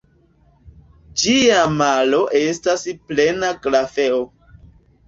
Ĝia malo estas plena grafeo.